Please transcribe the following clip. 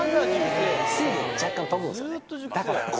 水分が若干飛ぶんですよね。